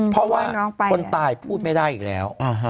เพราะว่าคนตายพูดไม่ได้อีกแล้ว